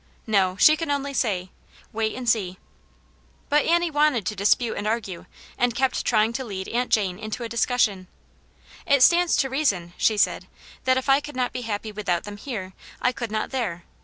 No ; she can only say, " Wait, and see 1 " But Annie wanted to dispute and argue, and kept trying to lead Aunt Jane into a discussion. " It stands to reason," she said, " that if I could not be happy without them here, I could not there.